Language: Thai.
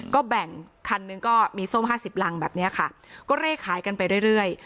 ก็แบ่งคันหนึ่งก็มีส้มห้าสิบรังแบบนี้ค่ะก็เลขขายกันไปเรื่อย